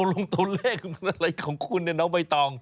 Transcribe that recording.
เล็กใหร่ของน้องใบตอง